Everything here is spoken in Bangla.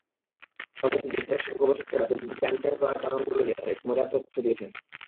সম্প্রতি যুক্তরাষ্ট্রের গবেষকেরা ফেসবুকে আনফ্রেড করার কারণগুলো নিয়ে অন্য একটি মজার গবেষণা করেছেন।